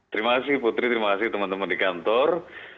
terima kasih putri terima kasih teman teman di kantor